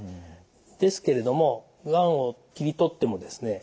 ですけれどもがんを切り取ってもですね